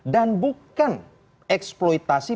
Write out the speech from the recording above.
dan bukan eksploitasi